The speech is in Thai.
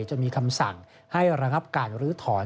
จะมีคำสั่งให้ระงับการลื้อถอน